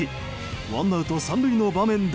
ワンアウト３塁の場面で。